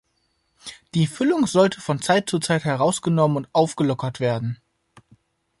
Die Füllung sollte von Zeit zu Zeit herausgenommen und aufgelockert werden.